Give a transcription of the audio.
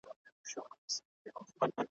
دوی شریک دي د مستیو د خوښۍ پهلوانان دي ,